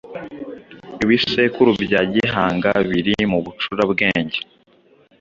Ibisekuru bya Gihanga biri mu bucurabwenge